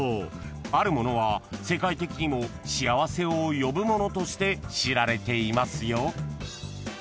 ［あるものは世界的にも幸せを呼ぶものとして知られていますよ］